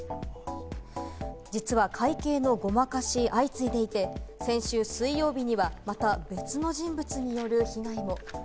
実は会計のごまかしは相次いでいて、先週水曜日にはまた別の人物による被害も。